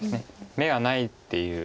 眼がないっていう。